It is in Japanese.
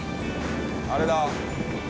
あれだ。